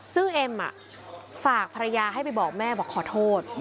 ซึ่งเอ็มฝากภรรยาให้ไปบอกแม่บอกขอโทษ